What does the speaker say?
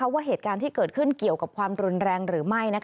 ว่าเหตุการณ์ที่เกิดขึ้นเกี่ยวกับความรุนแรงหรือไม่